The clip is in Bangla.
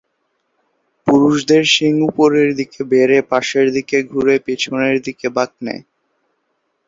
পুরুষদের শিং উপরের দিকে বেড়ে পাশের দিকে ঘুরে পিছনের দিকে বাঁক নেয়।